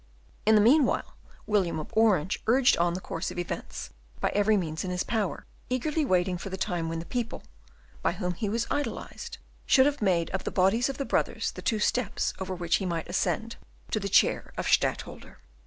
In the meanwhile William of Orange urged on the course of events by every means in his power, eagerly waiting for the time when the people, by whom he was idolised, should have made of the bodies of the brothers the two steps over which he might ascend to the chair of Stadtholder.